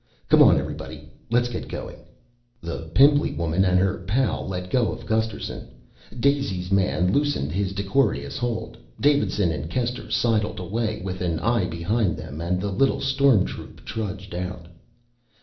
Come on, everybody, let's get going." The pimply woman and her pal let go of Gusterson, Daisy's man loosed his decorous hold, Davidson and Kester sidled away with an eye behind them and the little storm troop trudged out.